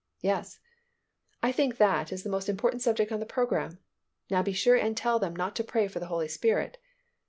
"Yes." "I think that is the most important subject on the program. Now be sure and tell them not to pray for the Holy Spirit."